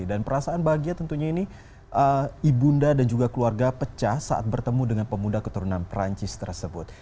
dan perasaan bahagia tentunya ini ibunda dan juga keluarga pecah saat bertemu dengan pemuda keturunan perancis tersebut